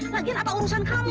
lagian apa urusan kamu